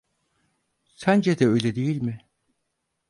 Sence de öyle değil mi?